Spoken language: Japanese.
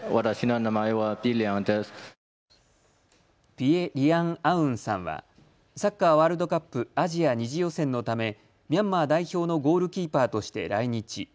ピエ・リアン・アウンさんはサッカーワールドカップアジア２次予選のためミャンマー代表のゴールキーパーとして来日。